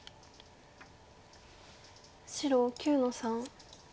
白９の三。